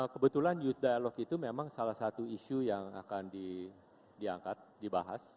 kebetulan youth dialog itu memang salah satu isu yang akan diangkat dibahas